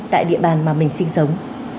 tại địa bàn mà mình sinh sống